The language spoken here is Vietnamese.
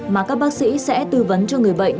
mà các bác sĩ sẽ tư vấn cho người bệnh